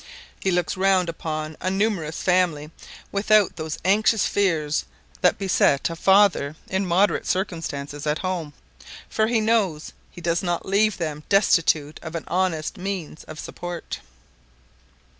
He looks round upon a numerous family without those anxious fears that beset a father in moderate circumstances at home; for he knows he does not leave them destitute of an honest means of support."